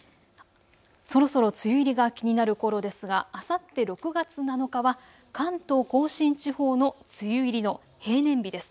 そろそろ梅雨入りが気になるころですが、あさって６月７日は関東甲信地方の梅雨入りの平年日です。